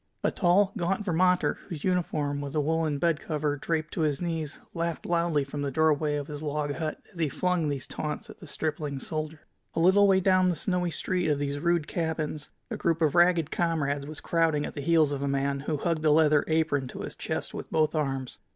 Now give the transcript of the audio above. A tall, gaunt Vermonter, whose uniform was a woolen bedcover draped to his knees, laughed loudly from the doorway of his log hut as he flung these taunts at the stripling soldier. A little way down the snowy street of these rude cabins a group of ragged comrades was crowding at the heels of a man who hugged a leather apron to his chest with both arms.